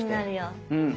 うん！